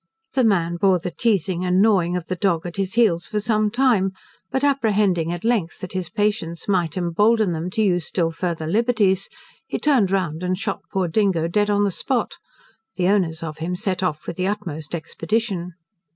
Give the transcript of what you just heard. The man bore the teazing and gnawing of the dog at his heels for some time, but apprehending at length, that his patience might embolden them to use still farther liberties, he turned round and shot poor Dingo dead on the spot: the owners of him set off with the utmost expedition.